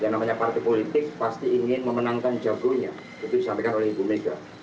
yang namanya partai politik pasti ingin memenangkan jagonya itu disampaikan oleh ibu mega